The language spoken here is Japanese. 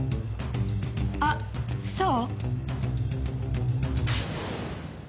あっそう？